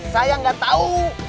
saya nggak tau